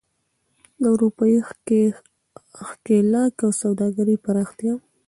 د اروپايي ښکېلاک او سوداګرۍ پراختیا.